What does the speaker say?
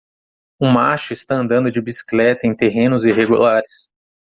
Um macho está andando de bicicleta em terrenos irregulares